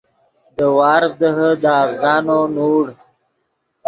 دے وارڤ دیہے دے اڤزانو نوڑ